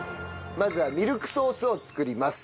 まずはミルクソースを作ります。